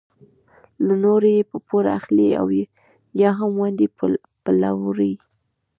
له نورو یې په پور اخلي او یا هم ونډې پلوري.